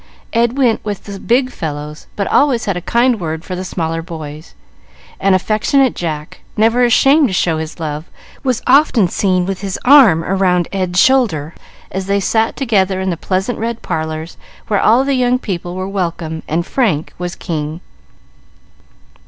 Ed went with the big fellows, but always had a kind word for the smaller boys; and affectionate Jack, never ashamed to show his love, was often seen with his arm round Ed's shoulder, as they sat together in the pleasant red parlors, where all the young people were welcome and Frank was king.